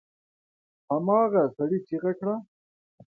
هماغه سړي چيغه کړه!